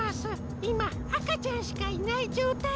いまあかちゃんしかいないじょうたいで。